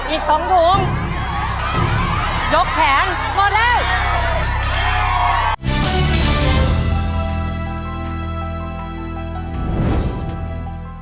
อีกสองถุงยกแขนหมดแล้ว